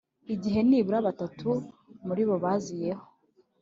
igihe nibura batatu muri bo baziyeho